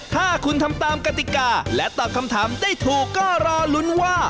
ถ้าคุณทำตามกติกาและตอบคำถามได้ถูกก็รอลุ้นว่า